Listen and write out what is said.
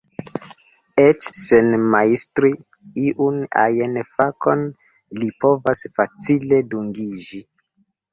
Eĉ sen majstri iun ajn fakon li povas facile dungiĝi.